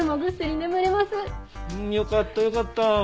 よかったよかった。